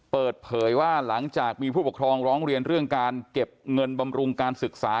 เปิดเผยว่าหลังจากมีผู้ปกครองร้องเรียนเรื่องการเก็บเงินบำรุงการศึกษา